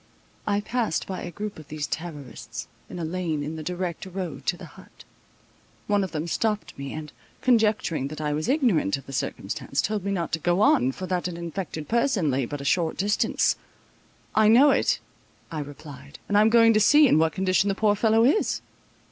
I passed by a group of these terrorists, in a lane in the direct road to the hut. One of them stopped me, and, conjecturing that I was ignorant of the circumstance, told me not to go on, for that an infected person lay but at a short distance. "I know it," I replied, "and I am going to see in what condition the poor fellow is."